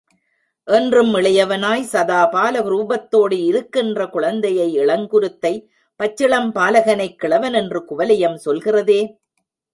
என்றும் இளையவனாய், சதாபால ரூபத்தோடு இருக்கின்ற குழந்தையை, இளங்குருத்தை, பச்சிளம் பாலகனை, கிழவன் என்று குவலயம் சொல்கிறதே!